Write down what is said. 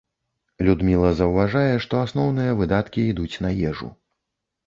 Людміла заўважае, што асноўныя выдаткі ідуць на ежу.